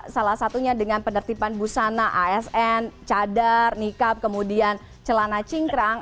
salah satunya dengan penertiban busana asn cadar nikab kemudian celana cingkrang